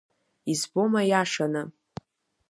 Избома иашаны?